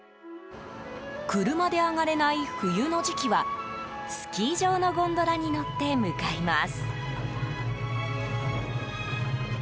車で上がれない冬の時期はスキー場のゴンドラに乗って向かいます。